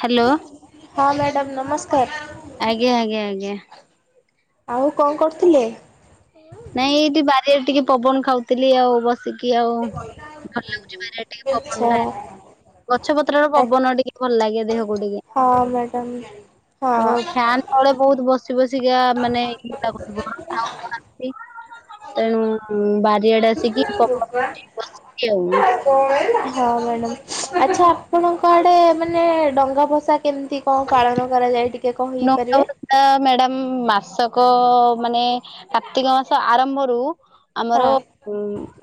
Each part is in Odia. ହ୍ୟାଲୋ ହଁ ମ୍ୟାଡ଼ମ୍ ନମସ୍କାର। ଆଜ୍ଞା ଆଜ୍ଞା ଆଜ୍ଞା। ଆଉ କଣ କରୁଥିଲେ? ନାଇଁ ଏଇଠି ବାରିଆରେ ଟିକେ ପବନ ଖାଉଥିଲି। ଆଉ ବସ ସିକି ଆଉ ଭଲ ଲାଗୁଛି। ବାରିଆଡେ ଟିକେ ପବନ ଆଚ୍ଛା ଖାଇଲେ। ଗଛ ପତ୍ରର ଆ ପବନ ଟିକେ ଭଲ ଲାଗେ। ବହୁଟିକେ ହଁ ମ୍ୟାଡ଼ାମ ଓ ହଁ। ଫ୍ୟାନ ତଳେ ବହୁତ ବସି ବସି ଟିକା ମାନେ ଇଏ ଲାଗୁଥିବ। ଯଉ ତେଣୁ ବାରିଆଡେ ଆସେ ହଁ ମ୍ୟାଡ଼ମ୍। ଆଚ୍ଛା, ଆପଣଙ୍କ ଆଡେ ମାନେ ଡଙ୍ଗା ଭସା କେମିତି କଣ ପାଳନ କରାଯାଏ, ଟିକେ କହି ପାରିବେ? କୃଷକ ମାନେ କାର୍ତ୍ତିକ ମାସ ଆରମ୍ଭରୁ ଆମର ହଁ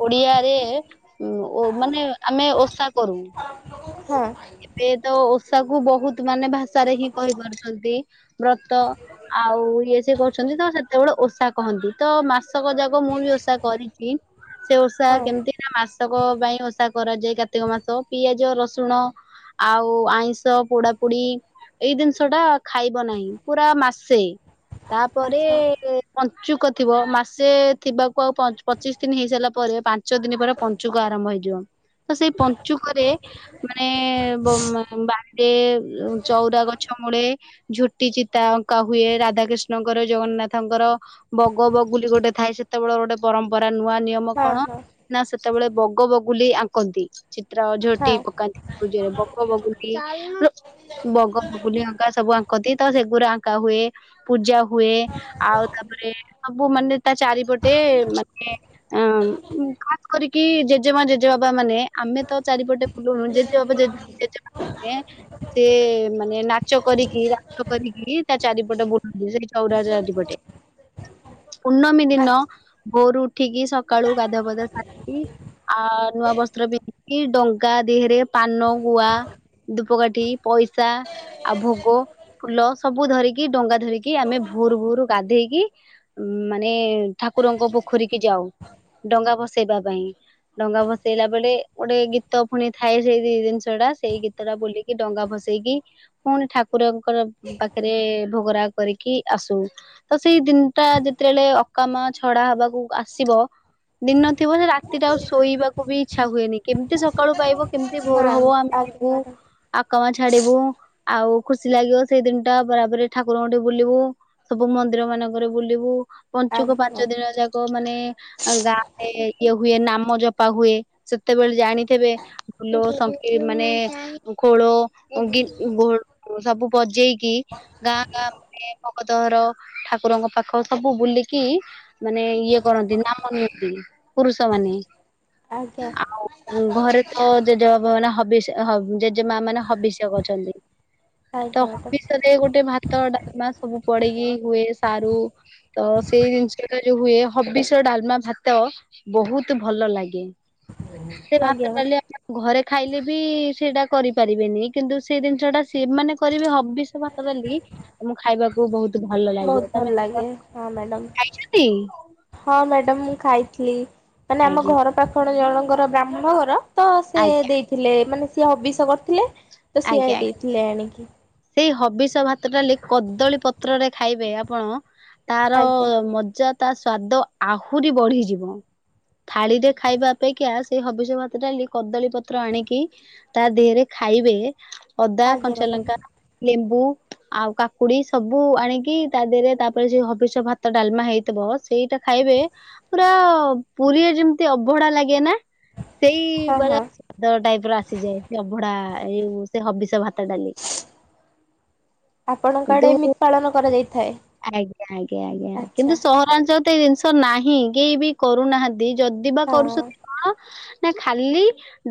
ଓଡିଆରେ ମାନେ ଆମେ ଓଷା କରୁ। ହଁ ଏବେ ତ ଓଷା କୁ ବହୁତ ତ ମାନେ ଭାଷାରେ ହିଁ କହିପାରୁଛନ୍ତି ବ୍ରତ ଆଉ ଇଏ ସେ କରୁଛନ୍ତି ତ ସେ ସେତେବେଳେ ଓଷା କହନ୍ତି। ତ ମାସ ମାସକ ଯାକ ମୁଁ ବି ଓଷା କରିଛି। ସେ ଓଷା ହଁ କେମିତି ନା ମାସକ ପାଇଁ ଓଷା କରାଯାଏ। କାର୍ତିକ ମାସ ପିଆଜ ରସୁଣ ଆଉ ଆଇଁଷ ପୋଡା ପୋଡି ଏଇ ଦିନିଷ ଟା ଖାଇବ ନାହିଁ। ପୁରା ମାସେ, ତାପରେ ଆଚ୍ଛା ପଞ୍ଚୁକ ଥିବ। ମାସେ ଥିବାକୁ ଆଉ ପ-ପଚିଶ ଦିନ ହେଇସାଇଲା ପରେ, ପାଞ୍ଚ ଦିନ ପରେ ପଞ୍ଚୁକ ଆରମ୍ଭ ହେଇ ଜିଅ। ତ ସେହି ପଞ୍ଚୁକରେ ମାନେ ଯିବ ତ ସେଇ ଯିବ ସୁନ୍ଦର ଚପଞ୍ଚୁକରେ ଏଁ ବାଡେ ଚଉରା ଗଛ ମୂଳେ ଝୋଟି। ଚିତା ଅଙ୍କା ହୁଏ ରାଧାକିଷ୍ଣଙ୍କର, ଜଗନ୍ନାଥଙ୍କର, ବଗ, ବଗୁଲି ଗୋଟେ ଥାଏ ସେତେବେଳେ ପରମ୍ପରା। ନୂଆ ନିୟମ କଣ? ହଁ ହଁ ନା ସେତେବେଳେ ବଗ ବଗୁଲି ଆଙ୍କନ୍ତି। ଚିତ୍ର ଝୋଟି ହଁ ପକାନ୍ତି। ପୂଜାରେ ବଗ ବଗୁଲି ଲୋ୍ ବଗ ବଗୁଲି ଅଙ୍କା ସବୁ ଙ୍କ ତି ସେଗୁରାଆଙ୍କା ହୁଏ ପୂଜା ହୁ ହୁଏ। ଆଉ ତାପରେ ସବୁ ମାନେ ତା ଚାରିପଟେ ମାନେ ଅଁ ଉଁ ଖାସ୍ କରିକି ଜେଜେମା ଜେଜେବାବା ମାନେ ଆମେ ତ ଚାରିପଟେ ବୁଲୁନୁ? ଯେଦ୍ ସବୁ ଜେଜେ, ଜେଜେମାମାନେ, ସେ ମାନେ ନାଚ କରିକି ରାଗ କରିକି ତା ଚାରି ଏ ପଟେ [unintelligible] ଚଉରା ଚାରି ପଟେ। ପୂର୍ଣ୍ଣମୀ ଆଚ୍ଛା ଦିନ ଭୋର ରୁ ଉଠିକି ସକାଳୁ ଗାଧୁ ପାଧା ସାରିକି ଆ ନୂଆ ବସ୍ତ୍ର ପିନ୍ଧି ଡଙ୍ଗା ଦେହରେ ପାନ ଗୁଆ, ଦୁପ୍ଲ ପକାଠି ପଇସା ଆଉ ଭୋଗ ଫୁଲ ସବୁ ଧରିକି ଡଙ୍ଗା ଧରିକି, ଆମେ ଭୋର ଭୋରୁ ଗାଧେଇକି ମାନେ-ଏଁ। ଠା ଠାକୁରଙ୍କ ପୋଖରୀ କିି ଯାଉ। ଡଙ୍ଗା ଭସେଇବା ପାଇଁ। ଡଙ୍ଗା ଭସେଇଲା ବେଳେ ଗୋଟେ ଗୀତ ପୁଣି ଥାଏ ସେଇ ଦି ଦି ନ ଜିନିଷ ଟା ସେଇ ଗୀତ ଟା ବୋଲି କି ଡଙ୍ଗା ଭସେଇକି, ପୁଣି ଠାକୁରଙ୍କ ଙ୍କର ପାଖରେ ଭୋଗରା କରିକି ଆସୁ ତ ସେଇ ଦିନ ଟା ଯେତେବେଳେ ଅକାାମ ଛଡା ହବାକୁ ଆସିବ? ଦିନ ଥିବ ସେ ରାତିରେ ଆଉ ଶୋଇବାକୁ ବି ଇଚ୍ଛା ହୁଏନି କେମିତି ସକାଳୁ ପାଇବ କେମତି ଭୋର ହଁ ହବ ଆମେ ଆଜ୍ଞା ଯିବୁ ମ୍ୟାଡ଼ାମ। ଆକାମା ଛାଡିବୁ। ଆଉ ଖୁସି ଲାଗିବ ସେଇ ଦିନଟା ବରାବ ଠାକୁରଙ୍କଠ ବୁଲିବୁ ସବୁ ମନ୍ଦିର ମାନଙ୍କରେ ବୁଲିବୁ। ପଞ୍ଚୁକ ଆଜ୍ଞା ପାଞ୍ଚ ମ୍ୟାଡ଼ାମ ଦିନ ଯାକ ମାନେ ଗାଁ ରେ ଇଏ ହୁଏ ନାମ ଜପ ଜପା ହୁଏ ସେତେବେଳେ ଜାଣିଥିବେ ଫୁଲ, ସଙ୍କିର, ମାନେ ଖୋଳ ଗୀ ଭୋ ସବୁ ବଜେଇକି ଗାଁ ଗାଁ ମାନେ ଭଗତ ଘର ଠାକୁରଙ୍କ ପାଖ ସବୁ ବୁଲିକି ମାନେ ଇଏ କରଣନ୍ତି ନାମ ନିଅନ୍ତି ପୁରୁଷମାନେ। ଆଜ୍ଞା। ମୋ ଜେଜେ ବାପା ମାନେ ହବିଷ ଜେଜେ ମା ମାନେ ହବିଷ୍ୟ କରୁଛନ୍ତି। ତ ଆଜ୍ଞା ମ୍ୟାଡ଼ାମ ହବିଷରେ ଗୋଟେ ଭାତ ଡାଲମା ସବୁ ପଡେଇକି ହୁଏ ସାରୁ ତ ସେଇ ଜିନିଷ ଟା ଯୋଉ ହୁଏ। ହବିଷ ଡାଲମା ଭାତ ବହୁତ ଭଲ ଲାଗେ, ସେ ଆଜ୍ଞା ଭାତ ମ୍ୟାଡ଼ାମ। ଡାଲି ଆପଣ ଘରେ ଖାଇଲେ ବି ସେଇଟା କରିପାରିବେନି କିନ୍ତୁ ସେଇ ଜିନିଷ ଟା ସେମାନେ କରିବେ ହବିଷ୍ୟ ଭାତ ଡାଲି ଲି ମୁଁ ଖାଇବାକୁ ବହୁତ ଭଲ ବହୁତ ଲାଗିବ ଭଲ ତମେ ଲାଗେ କଣ ହଁ ମ୍ୟାଡମ। ଖାଇଛନ୍ତି ହଁ ମ୍ୟାଡମ୍ ମୁ ଖାଇଥିଲି ମାନେ ଆମ ଆଜ୍ଞା ଘର ପାଖଣ ଜଣଙ୍କର ବ୍ରାହ୍ମଣଘର ତ ସେ ଆଜ୍ଞା ଦେଇଥିଲେ ମାନେ ସିଏ ହବିଷ କରିଥିଲେ ତ ଆଜ୍ଞା ସିଏ ଆଜ୍ଞା। ଦେଇଥିଲେ ଆଣିକି। ସେଇ ହବିଷ ଭାତ ଡ଼ାଲି କଦଳୀ ପତ୍ରରେ ଖାଇବେ ଆପଣ ତାର ଆଜ୍ଞା ମଜା ତା ସ୍ଵାଦ ଆହୁରି ବଢିଯିବ। ଥାଳିରେ ଖାଇବା ଅପେକ୍ଷା ସେଇ ହବିଷ ଭାତ ଡା କଦଳୀ ପତ୍ର ଆଣିକି ତା ଦେହରେ ଖା ଖାଇବେ ଅଦା, ଆଜ୍ଞା କଞ୍ଚା ମ୍ୟାଡ଼ାମ୍ ଲଙ୍କା, ଲେମ୍ବୁ ଆଉ କାକୁଡି ସବୁ ଆଣିକି ତା ଦେହରେ ତାପରେ ସେ ହବିଷ ଭାତ ଡାଲମା ହେଇଥିବ ସେଇଟା ଖାଇ ଏବେ ପୁର ପୁରୀରେ ଯେମତି ଅବହଡା ଲାଗେ ନା ସେଇ ହଁ ବରା ହଁ ସ୍ଵାଦ ଟାଇପ ର ଆସିଯାଏ ସେ ଅଭଡା ଏ ସେ ହବିଷ ଭାତ, ଡାଲି। ଆପଣଙ୍କ ଆଡେ କିନ୍ତୁ ଏମିତି ପାଳନ କରାଯାଇଥାଏ? ଆଜ୍ଞା ଆଜ୍ଞା ଆଜ୍ଞା ଆଚ୍ଛା କିନ୍ତୁ ସହରାଞ୍ଚଳ ତ ଏଇ ଜିନିଷ ତ ନାହିଁ କେହି ବି କରୁନାହାନ୍ତି ଯଦି ବା ହଁ କରୁଛନ୍ତି କଣ? ନା ଖାଲି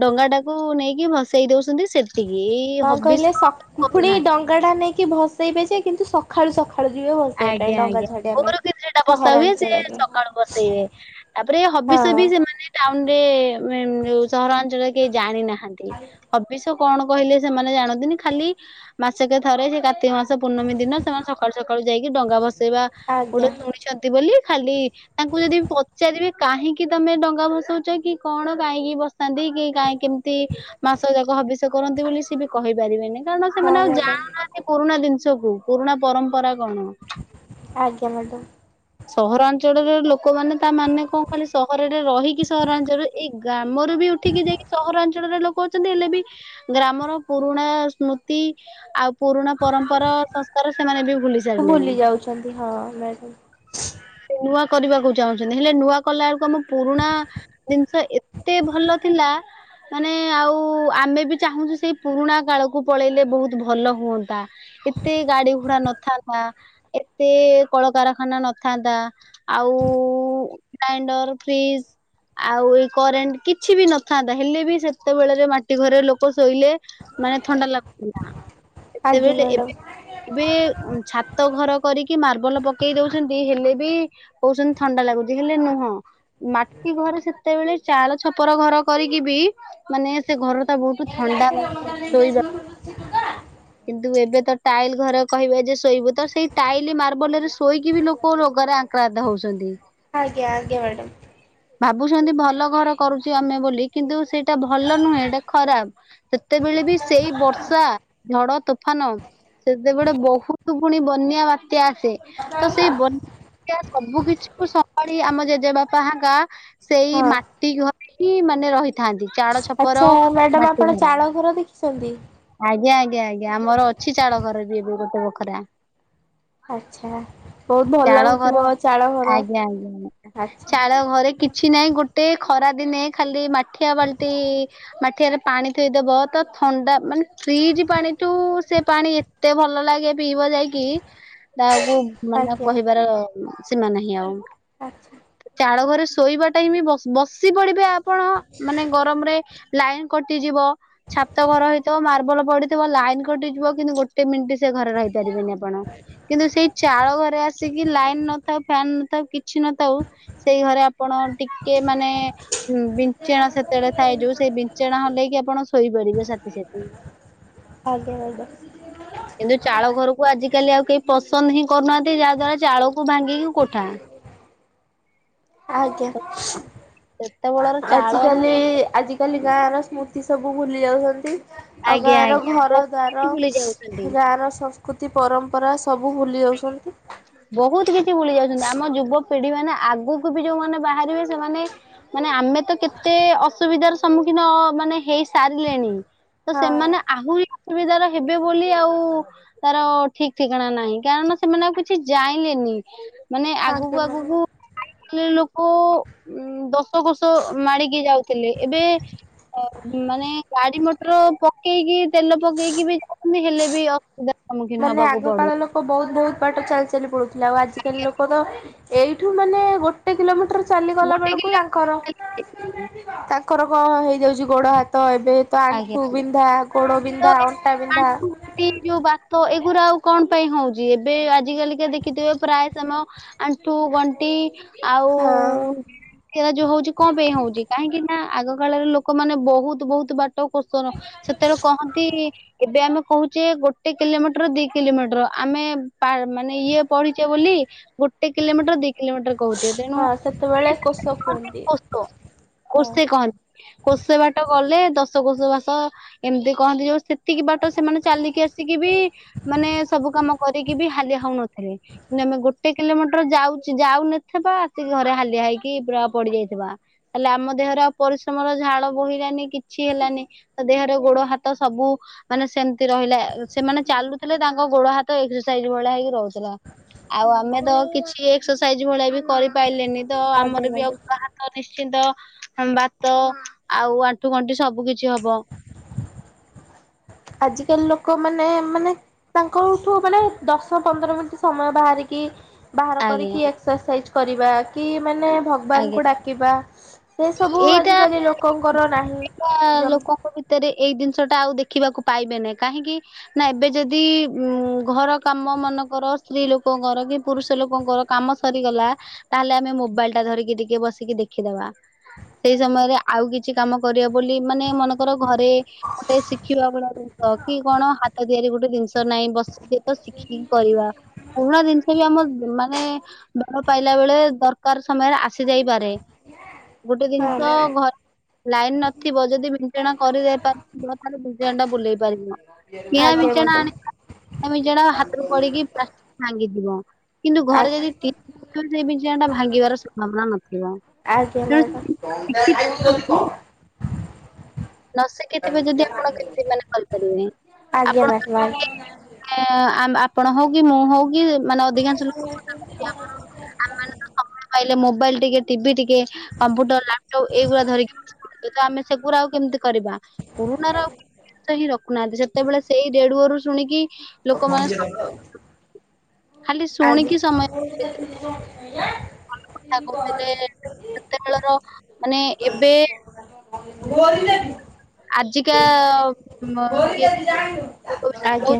ଡଙ୍ଗା ଟାକୁ ନେଇକି ଭସେଇ ଦଉଛନ୍ତି ସେତିକି ଏଇ କଣ କହିଲେ ହବିଷ ସ ପୁଣି କରୁନାହାନ୍ତି। ଡଙ୍ଗା ଟା ନେଇକି ଭସେଇବେ ଯେ କିନ୍ତୁ ସଖାଳୁ ସଖାଳୁ ସଖାଳୁ ଯିବ ଭସେଇବା ପାଇଁ ଡଙ୍ଗା ଛାଡିବା ପାଇଁ। ସେଟା ବସା ହୁଏ ସେ ସହରାଞ୍ଚଳରେ ସକାଳୁ ବସେଇଏ ତାପରେ ହବିଷବି ହଁ ସେମାନେ ଟାଉନରେ ଉ ସହରାଞ୍ଚଳରେ କେହି ଜାଣି ନାହାନ୍ତି ହବିଷ ତ କଣ କହିଲେ ସେମାନେ ଜାଣନ୍ତିନି ଖାଲି ମାସକେ ଥରେ ସେ କାର୍ତ୍ତିକ ମାସ ପୂର୍ଣ୍ଣମୀ ଦିନ ସେମାନେ ସକାଳୁ ସକାଳୁ ସକାଳୁ ଯାଇକି ଡଙ୍ଗା ଭସେଇବା ଗୋଟେ ଆଜ୍ଞା ଶୁଣିଛନ୍ତି ବୋଲି ଖାଲି ତାଙ୍କୁ ଯଦି ପଚାରିବେ କାହିଁକି ତମେ ଡଙ୍ଗା ଭସଉଛ କି କଣ କାହିଁକି ଭସାନ୍ତି କି କାଁ କେମିତି ମାସ ଯାକ ହବିଷ କରନ୍ତି ବୋଲି ସି ବି କହିପାରିବେନି? କାରଣ ହଁ ସେମାନେ ଆଉ ମ୍ୟାଡ଼ାମ୍ ଜାଣୁନାହାନ୍ତି ପୁରୁଣା ଦିନିସକୁ ପୁରୁଣା ପରମ୍ପରାକୁ। ଆଜ୍ଞା ମ୍ୟାଡ଼ାମ। ସହରାଞ୍ଚଳର ଲୋକମାନେ ତା ମାନେ କଣ ଖାଲି ସହରରେ ରହିକି ସହରାଞ୍ଚଳରେ ଏଇ ଗ୍ରାମରୁ ଉଠିକି ଯାଇକି ସହରାଞ୍ଚଳରେ ଲୋକ ଅଛନ୍ତି ହେଲେ ବି ଗ୍ରାମର ପୁରୁଣା ସ୍ମୃତି ଆଉ ପୁରୁଣା ପରମ୍ପରା ସଂସ୍କାରରେ ସେମାନେ ବି ଭୁଲି ସାରିଲେଣି। ଯାଉଛନ୍ତି ହଁ ମ୍ୟାଡ଼ାମ ସେ ନୂଆ କରିବାକୁ ଚାହୁଁଛନ୍ତି ହେଲେ ନୂଆ କଲା ବେଳକୁ ଆମ ପୁରୁଣା ଜିନିଷ ଏତେ ଭଲ ଥିଲା ମାନେ ଆଉ ଆମେ ବି ଚାହୁଁଛୁ ସେଇ ପୁରୁଣା କାଳକୁ ପଳେଇଲେ ବହୁତ ଭଲ ହୁଅନ୍ତା। ଏତେ ଗାଡି ଘୋଡା ନଥାନ୍ତା ଏତେ କଳକାରଖାନା ନ ଥାନ୍ତା ଆଉ ଗ୍ରାଇଣ୍ଡର, ଫ୍ରିଜ ଆଉ ଏ କରେଣ୍ଟ କିଛି ବି ନଥାନ୍ତା ହେଲେ ବି ସେତେବେଳେରେ ମାଟି ଘରେ ଲୋକ ଶୋଇଲେ ମାନେ ଥଣ୍ଡା ଲାଗୁଥିଲା। ଆଜ୍ଞା ସେତେବେଳେ ମ୍ୟାଡ଼ାମ। ଏବେ ଏବେ ଛାତ ଘର କରିକି ମାର୍ବଲ ପକେଇ ଦଉଛି। ହେଲେ ବି କହୁସନ୍ତି ଥଣ୍ଡା ଲାଗୁଛି ହେଲେ ନୁହଁ ମାଟି ଘରେ ସେତେବେଳେ ଚାଳ ଛପର ଘର କରିକି ବି ମାନେ ସେ ଘର ତା ବହୁତ ଥଣ୍ଡା ଯାଇଥିଲିଛି ଶୋଇବା ଟା [inaudible] କିନ୍ତୁ ଏବେ ତ ଟାଇଲ ଘରକହିବେ ଯେ ଶୋଇବୁ ତ ସେଇ ଟାଇଲ ମାର୍ବଲ ରେ ଶୋଇକି ବି ଲୋକ ରୋଗରେ ଆକ୍ରାନ୍ତ ହଉସନ୍ତି। ଆଞା ଆଞା ମ୍ୟାଡ଼ାମ୍। ଭାବୁଛନ୍ତି ଭଲ ଘର କରୁଛୁ ଆମେ ବୋଲି କିନ୍ତୁ ସେଇଟା ଭଲ ନୁହେଁ ଏଟା ଖରାପ ସେତେ ବି ଳେ ବି ସେଇ ବର୍ଷା ଝଡ ତୋଫାନ ସେତେବେଳେେ ବହୁତ ଫୁଣି ବନ୍ୟା ବାତ୍ୟା ଆସେ ତ ସେଇ ସବୁ କିଛି କୁ ସମାଳି ଆମ ଜେଜେବାପା ହକା ସେଇ ହଁ ମାଟି ଘରିକି ମା ମାନେ ରହିଥାନ୍ତି। ଚାଳ ଛପର ଆଚ୍ଛା ମ୍ୟାଡାମ ଆପଣ ଚାଳ ଘର ଦେଖିଛନ୍ତି। ଆଜ୍ଞା ଆଜ୍ଞା ଆଜ୍ଞା ଆମର ଅଛି ଚାଳ ଘର ବି ଏବେ ଗୋଟେ ବଖରା। ଆଚ୍ଛା ବହୁତ ଭଲ ଚାଳ ଲାଗୁଥିବ ଘର ଚାଳ ଘର ଆଜ୍ଞା ଆଜ୍ଞା ଆା ଆଚ୍ଛା ଚାଳ ଘରେ କିଛି ନାହିଁ ଗୋ ଟେ ଖରା ଦିନେ ଖାଲି ମାଠିଆ ବାଲ୍ଟି ମାଠିଆରେ ପାଣି ଥୋଇଦବ ତ ଥଣ୍ଡା ମାନେ ଫ୍ରିଜ ପାଣିଠୁ ସେ ପାଣି ଏତେ ଭଲ ଲାଗେ ପିଇବ ଯାଇକି ତା ମାନେ ଆଜ୍ଞା। କହିବାର ସୀମା ନାହିଁ ଆଉ ଆଚ୍ଛା ଚାଳଘରେ ଶୋଇବା ଟାଇ ବସି ପଡିବେ ଆପଣ ମାନେ ଗରମରେ ଲାଇନ କଟିଯିବ ଛାତ ଘର ମାର୍ବଲ ପଡିଥିବ ଲାଇନ କଟିଯିବ କିନ୍ତୁ ଗୋଟେ ମିନିଟ ସେ ଘରେ ରହିପାରିବେନି ଆପଣ। କିନ୍ତୁ ସେଇ ଚାଳ ଘରେ ଆସିକି ଲାଇନ ନଥାଉ ଫ୍ୟାନ ନଥାଉ କିଛି ନଥାଉ ସେଇ ଘରେ ଆପଣ ଟିକେ ମାନେ ବିଛଣା ସେତେଳେ ଥାଏ ଯୋଉ ସେଇ ବିଛଣା ହଲେେଇକି ଆପଣ ଶୋଇପାରିବେ। ସାଥି ସାଥି ଆଜ୍ଞା ମ୍ୟାଡ଼ାମ। କିନ୍ତୁ ଚାଳ ଘରକୁ ଆଜି ଆ କାଲି ଆଉ କେହି ପସନ୍ଦ ହିଁ କରୁନାହାନ୍ତି ଯାହା ଦ୍ଵାରା ଚାଳକୁ ଭାଙ୍ଗିକି କୋଠା ଆଜ୍ଞା ସେତେବେଳର ଚାଳ ଆଜିକାଲି ନୁହଁ ଆଜିକାଲି ଗାଁ ର ସ୍ମୃତି ସବୁ ଭୁଲି ଯାଉସନ୍ତି। ଆଉ ଆଜ୍ଞା ଗାଁର ଆଜ୍ଞା ଘର ବହୁତ କିଛି ଭୁଲି ଯାଉଛନ୍ତି। ଦ୍ୱାର ଗାଁର ସସ ସଂକୃତି ପରମ୍ପରା ସବୁ ଭୁଲି ଯାଉସନ୍ତି। ବହୁତ କିଛି ଭୁଲି ଯାଉଛନ୍ତି ଆମ ଯୁବପିଢି ମାନେ ଆଗକୁ ବି ଯୋଉମାନେ ବାହାରିବେ ସେମାନେ ମାନେ ଆମେ ତ କେତେ ଏତେ ଅସୁବିଧାର ସମ୍ମୁଖୀନ ମାନେ ହେଇସାରିଲେଣି। ତ ହଁ ସେମାନେ ଆହୁରି ଅସୁବିଧାର ହେବେ ବୋଲି ଆଉ ତାର ଠିକ ଠିକଣା ନାହିଁ। କାରଣ ସେମାନେ ଆଉ କିଛି ଜାଇଲେନି ମାନେ ଆଗକୁ ଆଜ୍ଞା ମ୍ୟାଡ଼ାମ। ଆଗକୁ ଲି ଲୋକ ଉ ଦଶ କୋଷ ମାଡିକି ଯାଉଥିଲେ ଏବେ ମାନେ ଗାଡି ମଟର ପକେଇକି ତେଲ ପକେଇକି ବି ଯାଉଛନ୍ତି ହେଲେ ବି ଅସୁବିଧା ମାନେ ଆଗ କାଳ ଲୋକ ବହୁତ ବହୁତ ବାଟ ଚାଲି ଚାଲି ପଡୁଥିଲେ ଆଉ ଆଜିକାଲି ଲୋକ ତ ଏଇଠୁ ମାନେ ଗୋଟେ କିଲୋମିଟର ଚାଲିଗଲା ଗୋଟେ ବେଳକୁ କିଲୋ ତାଙ୍କର ଖାଲି ଖାଇପାରିବେ। ର କ ହେଇଯାଉଉଛି ଗୋଡ଼ ହାତ ଏବେ ତ ଆଜ୍ଞା ଆଣ୍ଠୁ ଆଜ୍ଞା। ବିନ୍ଧା ଗୋଡ ତ ବିନ୍ଧା ଏ ଅଣ୍ଟା ବିନ୍ଧା କୁକୁର ଆଉ କଣ ପାଇଁ ହଉଛି ଏବେ ଆଜି କାଲିକା ଦେଖିଥିବେ ପ୍ରାୟ ସମୟ ଆଣ୍ଠୁ ଗଣ୍ଠି ଆଉ ହଁ ସେଟା ଯୋଉ ହଉଛି କଣ ପାଇଁ ହଉଛି କାହିଁକି ନା ଆଗ କାଳରେ ଲୋକମାନେେ ବହୁତ ବହୁତ ବା କୋଷର ସେତେବେଳେ କହନ୍ତି ଏବେ ଆମେ କହୁଛେ ଗୋଟେ କିଲୋମିଟର ଦି କିଲୋମିଟର। ଆମେ ମାନେ ଇଏ ପଢିଛେ ବୋଲି ଗୋଟେ କିଲୋମିଟର ଦି କିଲୋମିଟର କହୁଚେ ତେଣୁ ହଁ ସେତେବେଳେ କୋଷ କୁହନ୍ତି ହଁ କୋସେ କହନ୍ତି କୋସେ ବାଟ ଗଲେ ଦଶକୋଷ ବାସ ଏମିତି କହନ୍ତି ଯୋଉ ସେତିକି ବାଟ ସେମାନେ ଚାଲିକି ଆସିକି ବି ମାନେ ସବୁ କାମ କରିକି ବି ହାଲିଆ ହଉନଥିଲେ କିନ୍ତୁ ଆମେ ଗୋଟେ କିଲୋମିଟର ଯାଉଛି ଯାଉନଥିବା ଆସିକି ଘରେ ହାଲିଆ ହେଇକି ପୁରା ପଡିଯାଇଥିବା ତାହେଲେ ଆମ ଦେହରେ ଆଉ ପରିଶ୍ରମର ଝାଳ ବୋହିଲାନି କି କିଛି ହେଲାନି ତା ଦେହରେ ଗୋଡ ହାତ ସବୁ ମାନେ ସେମିତି ରହିଲା ସେମାନେ ଚାଲୁଥିଲେ ତାଙ୍କ ଗୋଡ ହାତ ଏକ୍ସରସାଇଜ୍ ଭଳିଆ ହେଇକି ରହୁଥିଲା। ଆଉ ଆମେ ତ ଆଜ୍ଞା କିଛି ଏକ୍ସରସାଇଜ ଭଳିଆ ବି କରିପାଇଲେନି ତ ଆଜ୍ଞା ଆମର ବି ଆଉ ମ୍ୟାଡ଼ାମ। ଗୋଡ଼ ହାତ ନିସ୍ଚି କିମ୍ବା ଭାତ ଆଉ ଆଣ୍ଠୁ ଗଣ୍ଠି ସବୁ କିଛି ହବ। ଆଜିକାଲି ଲୋକ ମାନେ ମାନେ ତାଙ୍କଠୁ ମାନେ ଦଶ, ପନ୍ଦର ମିନିଟ ସମୟ ବାହାରିକି କି ବାହାର ଆଜ୍ଞା କରିକି ଏକ୍ସରସାଇଜ କରିବା କି ମାନେ ଆଜ୍ଞା। ଭଗବାନଙ୍କୁ ଡାକିବା ସେ ସବୁ ଏଇଟା ଆଜିକାଲି ଲୋକଙ୍କର ନାହିଁ [unintelligible] ଜମ୍ ଲୋକଙ୍କ ଭିତରେ ଏଇ ଦିନ୍ସ ଆଉ ଦେଖିବାକୁ ପାଇବେନି କାହିଁକି ନା ଏବେ ଯଦି ଉଁ ଘର କାମ ମାନେକର ସ୍ତ୍ରୀ ଲୋକଙ୍କର କି ପୁରୁଷ ଲୋକଙ୍କର କାମ ସରିଗଲା। ତାହେଲେ ଆମେ ମୋବାଇଲ ଟା ଧରିକି ଟିକେ ବସିକି ଦେଖ ଦେଖିଦବା ସେଇ ସମୟରେ ଆଉ କିଛି କାମ କରିବା ବୋଲି ମାନେ ମନେକର ଘରେ ଗୋଟେ ଶିଖିବା ଭଳିଆ ଦନ୍ସ କି କଣ ହାତ ତିଆରି ଗୋଟେ ଜିନିଷ ନାହିଁ। ବସିକି ତ ଶିଖିକି କରିବା ପୁରୁଣା ଜିନିଷ ବି ଆମ ମାନେ ବାଳ ପାଇଲା ବେଳେ ଦରକାର ସମୟରେ ଆସି ଯାଇପାରେ। ଗୋଟେ ହଁ ଜିନିଷ ମ୍ୟାମ୍। ଘର ଲାଇନ ନଥିବ ଯଦି ବିଞ୍ଚଣା କରିଦେଇ ପାରିବ ତାହେଲେ ବିଞ୍ଚଣା ଟା ବୁଲେଇ ପାରିବ। କିଣା ଆଜ୍ଞ ବିଞ୍ଚଣା ମାଡମ। ଆଣି ବିଞ୍ଚଣା ହାତରୁ ପଡିକି ଭାଙ୍ଗି ଜିବ କିନ୍ତୁ ଆ ଘରେ ଯଦି ତିଆରି ସେ ବିଞ୍ଚଣା ଟା ଭାଙ୍ଗିବାର ସମ୍ଭାବନା ନଥିବ। ତେଣୁ ଶିଖି [unintelligible] ନ ଶିଖିଥିବେ ଯଦି ଆପଣ କେମିତି ମାନେ କରିପାରିବେ ଆପଣ ଆଜ୍ଞା। ମାନେ ଆମ ଆପଣ ହଉ କି ମୁଁ ହଉ କି ମାନେ ଅଧିକାଂଶ ଲୋକ କଥା ଆମ ଆ ସମୟ ପାଇଲେ ମୋବାଇଲ ଟିକେ ଟିଭି ଟିକେ କମ୍ପ୍ୟୁଟର, ଲାପଟପ୍ ଏଇଗୁରା ଧରିକି ଆମେ ସେଗୁରା କେମିତି କରିବା ପୁରୁଣାର ହିଁ ରଖୁନାହାନ୍ତି ସେତେବେଳେ ସେଇ ରେଡୁଓରୁୁ ଶୁଣିକି ଲୋକମାନେ ଖାଲି ଶୁଣିକି ଆଜ୍ଞା। କଥା କହୁଥିଲେ ସେତେବେଳର ମାନେ ଏବେ ବୋ ରି ଦେବୀ। ଆଜିକା ଇଏ ଆଚ୍ଛା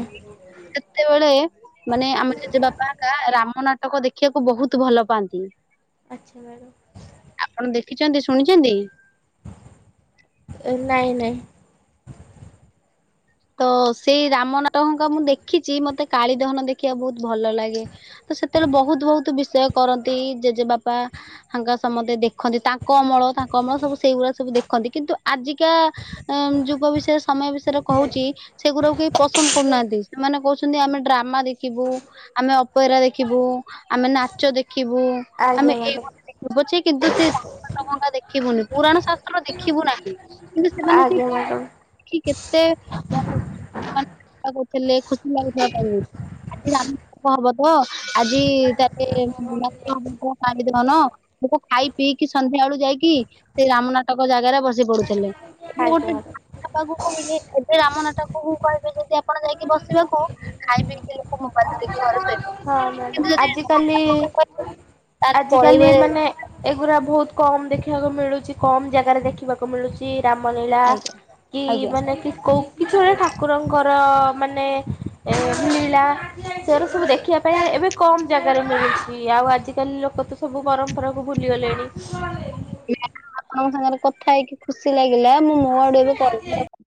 ସେତେବେଳେ ମାନେ ଆମେ ଜେଜେ ବାପା ରାମ ନାଟକ ଦେଖିବାକୁ ବହୁତ ଭଲ ପାଆନ୍ତି। ଆଚ୍ଛା ମ୍ୟାଡମ। ଆପଣ ଦେଖିଛନ୍ତି ଶୁଣିଛନ୍ତି? ନାଇଁ ନହିଁ। ତ ସେଇ ରାମନାଟଙ୍କା ମୁଁ ଦେଖିଛି ମତେ କାଳୀଦହନ ଦେଖିବା ବହୁତ ଭଲ ଲାଗେ ତ ସେତେବେଳେ ବହୁତ ବହୁତ ବିଷୟ କରନ୍ତି ଜେଜେ ବାପାଙ୍କ ହାଁକା ସମସ୍ତେ ଦେଖନ୍ତି ତାଙ୍କ ଅମଳ ତାଙ୍କ ଅମଳ ସବୁ ସେଇଗୁଡା ସବୁ ଦେଖ ଦେଖନ୍ତି କିନ୍ତୁ ଆଜିକା ଯୁଗ ବିଷୟରେ ସମୟ ବିଷୟ କହୁଛି ସେଗୁଡାକୁ କେହି ପସନ୍ଦ କରୁନାହାନ୍ତି ସେମାନେ କହୁଛନ୍ତି ଆମେ ଡ୍ରାମା ଦେଖିବୁ ଆମେ ପଇରା ଦେଖିବୁ ଆମେ ନାଚ ଦେଖିବୁ ଆମେ ଆଜ୍ଞା ଏଇଗ ମ୍ୟାଡ଼ାମ ଦେଖିବୁ ପଛେ କିନ୍ତୁ ସେ ଦେଖିବୁନି ପୁରାଣ ଶାସ୍ତ୍ର ଦେଖିବୁ ନାହିଁ କିନ୍ତୁ ସେମାନେ ସେଇ ଆଜ୍ଞା ମ୍ୟାଡ଼ାମ କି କେତେ ଥିଲେ ଖୁସି ଲାଗୁଥିଲା ଆଜି ଆମ ପୁଅ ଆଜି ତାଲେ ପାଣି ଦେହନ ତାକୁ ଖାଇ ପିଇକି ସନ୍ଧ୍ୟା ସକାଳୁ ଯାଇକି ସେ ରାମନାଥକ ଜାଗାରେ ବସି ପଡୁଛି ଏବେ ଆଜ୍ଞା ଗୋଟେ ମ୍ୟାଡ଼ାମ। ବାପ କହିଲେ ଏବେ ରାମ ନାଟାକୁ କହିବେ ଯଦି ଆପଣ ଯାଇକି ବସିବାକୁ ଖାଇ ପିଇକି ଲୋକ ମୋବାଇଲ ହଁ ଧରିକି ଘରେ ଶୋଇପଡିବେ ମ୍ୟାଡ଼ାମ କିନ୍ତୁ ଯଦି ଆଜିକାଲି ତାହେଲେ ଆଜିକାଲି ପଳେଇବେ ମାନେ ଏଗୁଡା କମ ଦେଖିବାକୁ ମିଳୁଛି କମ ଜାଗାରେ ଦେଖିବାକୁ ମିଳୁଛି ରାମଲୀଳା ଆଜ୍ଞା କି ଆଜ୍ଞା। ମାନେ କି କୋଉଁ କିଛି ଗୋଟେ ଠାକୁରଙ୍କର ମାନେ ଏ ନିଳା ସେରା ସବୁ ଦେଖିବା ପା ଇଁ ଏବେ କମ ଜାଗାରେ ମିଳୁଛି ଆଉ ଆଜିକାଲି ଲୋକ ତ ସବୁ ପରମ୍ପରାକୁ ଭୁଲିଗଲେଣି। ହୁ ଯା ହୋଉ ଆପଣଙ୍କ ସାଙ୍ଗରେ କଥା ହେଇକି ଖୁସି ଲାଗିଲା ମୁଁ ମୋ ଆଡୁ ଏବେ କଲ୍ [unintelligible]